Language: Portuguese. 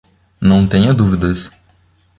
Não tenha dúvidas.